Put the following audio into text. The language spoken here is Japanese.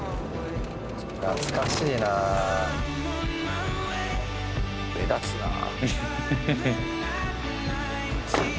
懐かしいなあ目立つなあ